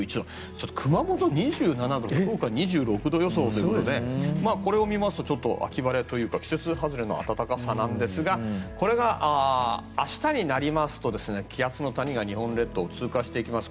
ちょっと熊本２７度福岡２６度予想ということでこれを見ますと秋晴れというか季節外れの暖かさなんですがこれが明日になりますと気圧の谷が日本列島を通過していきます。